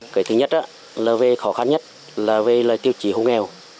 cái thứ nhất là về khó khăn nhất là về tiêu chí hồ nghèo